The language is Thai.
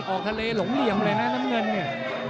ออกทะเลหลงเหลี่ยมเลยนะน้ำเงินเนี่ย